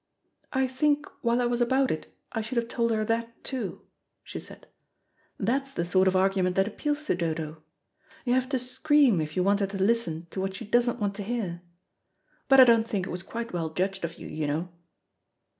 "I think while I was about it I should have told her that too," she said; "that's the sort of argument that appeals to Dodo. You have to scream if you want her to listen to what she doesn't want to hear. But I don't think it was quite well judged of you, you know."